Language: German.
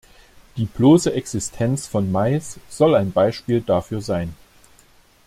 Die bloße Existenz von Mais soll ein Beispiel dafür sein.